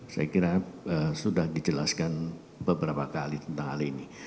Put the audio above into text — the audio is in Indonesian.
saya kira sudah dijelaskan beberapa kali tentang hal ini